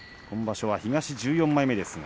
今場所は東１４枚目。